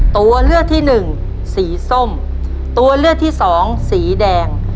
ตัวเลือกที่หนึ่งสีส้มตัวเลือกที่สองสีแดง